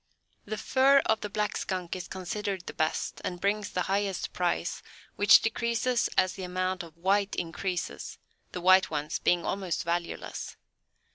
The fur of the Black Skunk is considered the best, and brings the highest price which decreases as the amount of white increases, the white ones being almost valueless.